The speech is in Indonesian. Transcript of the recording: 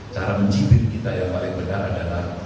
cara mencibir kita yang paling benar adalah